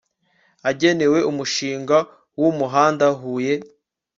agenewe umushinga w umuhanda Huye